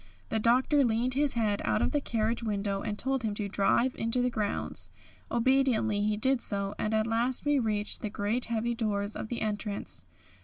The Doctor leaned his head out of the carriage window and told him to drive into the grounds. Obediently he did so, and at last we reached the great heavy doors of the entrance.